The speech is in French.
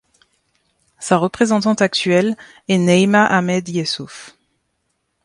Sa représentante actuelle est Neima Ahmed Yesuf.